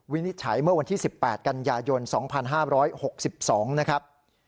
วินิจฉัยเมื่อวันที่๑๘กันยายน๒๕๖๒นะครับ